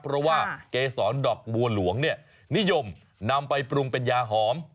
เพราะว่าเกษรดอกบัวหลวงเนี่ยนิยมนำไปปรุงเป็นยาหอม